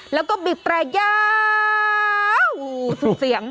แล้วก็บีบแปรยาวสุดเสียง